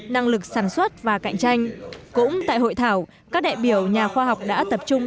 năng lực sản xuất và cạnh tranh cũng tại hội thảo các đại biểu nhà khoa học đã tập trung